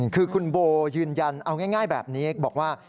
คือคุณโบยืนยันเอาง่ายแบบนี้บอกว่า